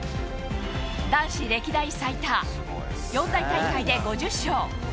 男子歴代最多、四大大会で５０勝。